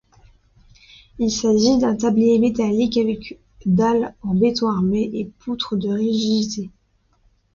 Il s'agit d'un tablier métallique avec dalle en béton armé et poutre de rigidité.